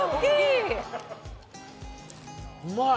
・うまい！